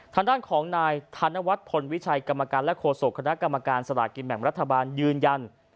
ทางด้านของนายธนวัฒนพลวิชัยกรรมการและโฆษกคณะกรรมการสลากินแบ่งรัฐบาลยืนยัน